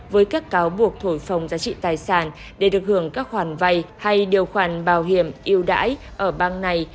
với các cáo buộc thổi phồng giá trị tài sản để được hưởng các khoản vay hay điều khoản bảo hiểm yêu đãi ở bang này